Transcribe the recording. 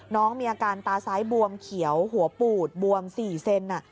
น้องมีอาการตาซ้ายบวมเขียวหัวปูดบวม๔เซน